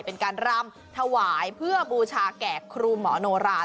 เป็นการรำถวายเพื่อบูชาแก่ครูหมอโนรา